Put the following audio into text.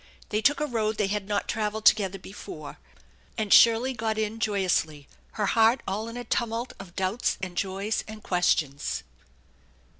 They took a road they had not travelled together before, and Shirley got in joyously, her heart all in a tumult of doubts and joys and questions.